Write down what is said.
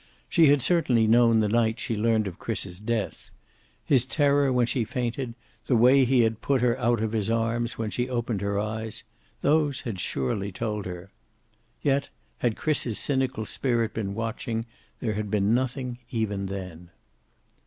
She had certainly known the night she learned of Chris's death. His terror when she fainted, the very way he had put her out of his arms when she opened her eyes those had surely told her. Yet, had Chris's cynical spirit been watching, there had been nothing, even then.